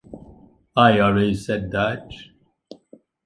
I always said that.